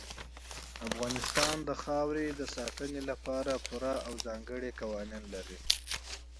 افغانستان د خاورې د ساتنې لپاره پوره او ځانګړي قوانین لري.